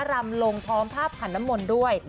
รำลงพร้อมภาพขันน้ำมนต์ด้วย